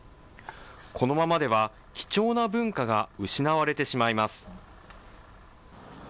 このままでは貴重な文化が失われてしまいます。